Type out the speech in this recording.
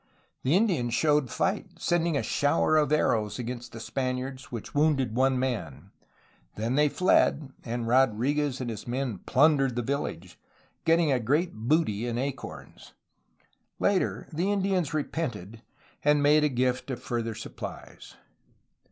The Indians showed fight, sending a shower of arrows against the Spaniards which wounded one man. Then they fled, and Rodriguez and his men plundered the village, getting a great booty in acorns. Later, the Indians repented, and made a gift of further supplies.